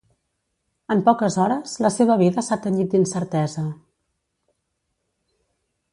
En poques hores la seva vida s'ha tenyit d'incertesa.